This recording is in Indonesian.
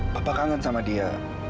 papa kangen sama dia